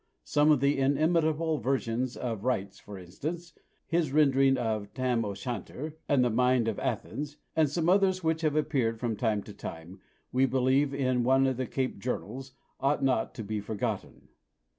Some of the inimitable "versions" of Reitz, for instance, his rendering of "Tam o' Shanter" and "The Maid of Athens," and some others which have appeared from time to time, we believe, in one of the Cape journals, ought not to be forgotten.